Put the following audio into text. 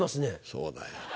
そうだよ。